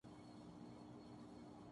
تحریر :حافظ صفوان محمد